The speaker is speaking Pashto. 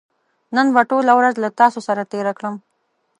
نن به ټوله ورځ له تاسو سره تېره کړم